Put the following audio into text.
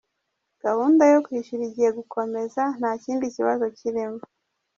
Gahunda yo kwishyura igiye gukomeza nta kindi kibazo kirimo”.